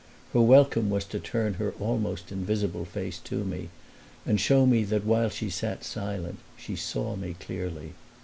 her welcome was to turn her almost invisible face to me and show me that while she sat silent she saw me clearly.